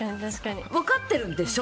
分かってるんでしょ？